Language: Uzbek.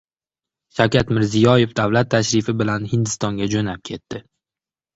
Shavkat Mirziyoyev davlat tashrifi bilan Hindistonga jo‘nab ketdi